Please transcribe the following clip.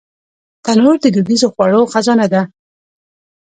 تنور د دودیزو خوړو خزانه ده